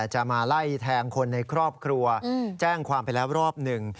จะมาไล่แทงคนในครอบครัวแจ้งความไปแล้วรอบหนึ่ง